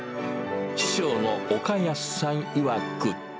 師匠の岡安さんいわく。